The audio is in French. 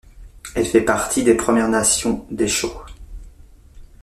Elle fait partie des Premières Nations Dehcho.